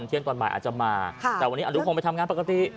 เที่ยงตอนบ่ายอาจจะมาแต่วันนี้อนุพงศ์ไปทำงานปกติ